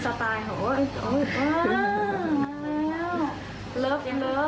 รักรัก